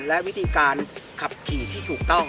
และวิธีการขับขี่ที่ถูกต้อง